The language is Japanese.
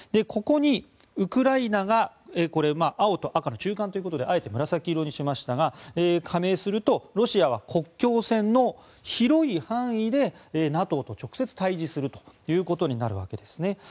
ここにウクライナが青と赤の中間ということであえて紫色にしましたが加盟するとロシアは国境線の広い範囲でＮＡＴＯと直接対峙するということになるわけですね。